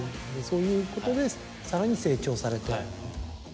そういうことでさらに成長されて。